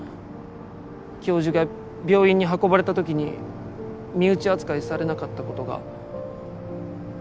教授が病院に運ばれた時に身内扱いされなかったことが。